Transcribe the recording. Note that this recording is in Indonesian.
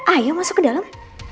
ayo masuk ke dalam